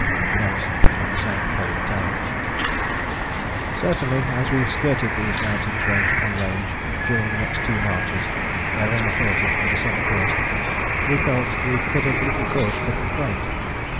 (NELSON in The South Polar Times.) Certainly as we skirted these mountains, range upon range, during the next two marches (November 30 and December 1), we felt we could have little cause for complaint.